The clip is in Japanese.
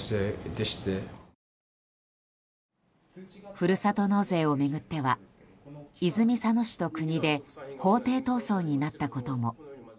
ふるさと納税を巡っては泉佐野市と国で法廷闘争になったことも。